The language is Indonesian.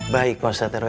baik pak ustadz rw